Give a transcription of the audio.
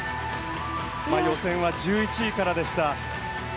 予選は１１位からでした。